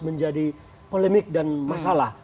menjadi polemik dan masalah